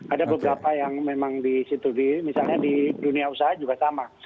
ada beberapa yang memang di situ misalnya di dunia usaha juga sama